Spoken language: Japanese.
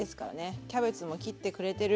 キャベツも切ってくれてる。